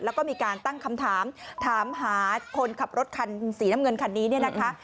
แล้วก็มีการตั้งคำถามถามหาคนขับรถคันสีน้ำเงินคันนี้เนี่ยนะคะ